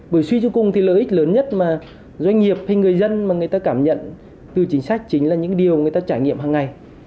bởi suy cho cùng thì lợi ích lớn nhất mà doanh nghiệp hay người dân mà người ta cảm nhận từ chính sách chính là những điều người ta trải nghiệm hàng ngày